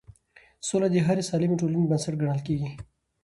سوله د هرې سالمې ټولنې بنسټ ګڼل کېږي